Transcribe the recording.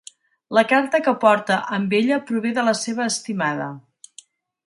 La carta que porta amb ella prové de la seva estimada.